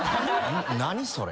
何それ？」